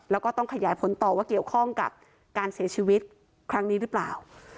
แล้วก็ต้องขยายผลต่อว่าเกี่ยวข้องกับการเสียชีวิตครั้งนี้หรือเปล่า